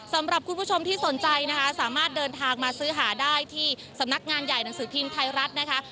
สำหรับคุณผู้ชมที่สนใจนะคะสามารถเดินทางมาซื้อหาได้ที่สำนักงานใหญ่หนังสือพิมพ์ไทยรัฐนะคะ